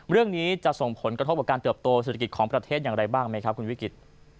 เรื่องนี้จะส่งผลกระทบกับการเติบโตเศรษฐกิจของประเทศอย่างไรบ้างไหมครับคุณวิกฤต